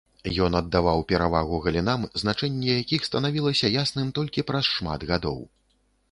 Ён аддаваў перавагу галінам, значэнне якіх станавілася ясным толькі праз шмат гадоў.